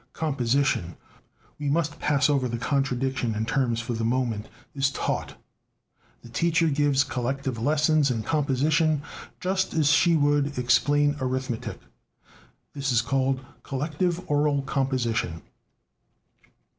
Composition (we must pass over the contradiction in terms for the moment) is "taught." The teacher gives collective lessons in composition, just as she would explain arithmetic: this is called "collective oral composition."